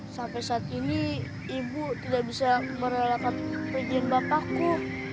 sampai saat ini ibu tidak bisa merelakan perjalanan bapakku